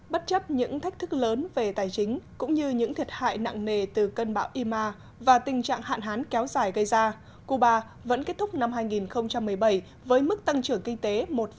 bất chấp những thách thức lớn về tài chính cũng như những thiệt hại nặng nề từ cơn bão ima và tình trạng hạn hán kéo dài gây ra cuba vẫn kết thúc năm hai nghìn một mươi bảy với mức tăng trưởng kinh tế một năm